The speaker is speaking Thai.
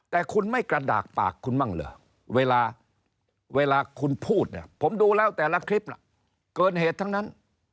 แต่คุณไม่กระดากปากคุณบ้างเหรอเวลาคุณพูดเนี่ยผมดูแล้วแต่ละคลิปเกินเหตุทั้งนั้น